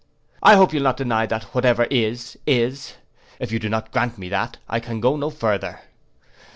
I hope you'll not deny that whatever is, is. If you don't grant me that, I can go no further.